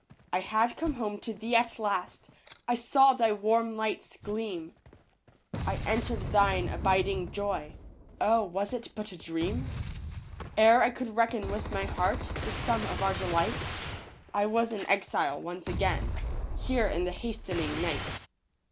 I had come home to thee at last. I saw thy warm lights gleam. I entered thine abiding joy, Oh, was it but a dream? Ere I could reckon with my heart The sum of our delight, I was an exile once again Here in the hasting night.